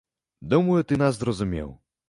Думаю, ты нас зразумеў.